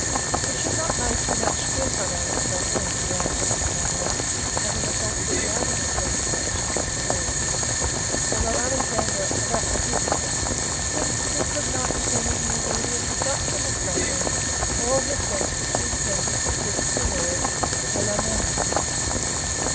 (6) We should not lay too much stress on Aristotle or the writer De Caelo having adopted the other interpretation of the words, although Alexander of Aphrodisias thinks that he could not have been ignorant either of the doctrine of Plato or of the sense which he intended to give to the word (Greek).